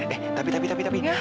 eh tapi tapi tapi